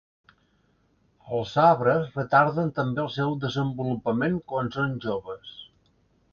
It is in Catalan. Els arbres retarden també el seu desenvolupament quan són joves.